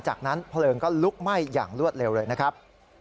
จากนั้นเพลิงก็ลุกไหม้อย่างรวดเร็วเลยนะครับ